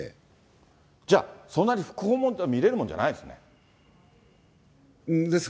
じゃあ、そんなに副本も見れるもんじゃないんですか。